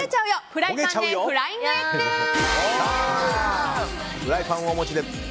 フライパンをお持ちで。